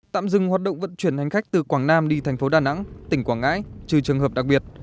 tạm dừng hoạt động vận chuyển hành khách từ quảng nam đi thành phố đà nẵng tỉnh quảng ngãi trừ trường hợp đặc biệt